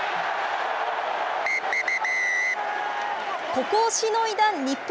ここをしのいだ日本。